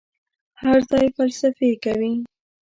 هر ځای فلسفې کوي.